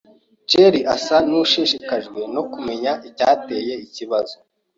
jerry asa nushishikajwe no kumenya icyateye ikibazo.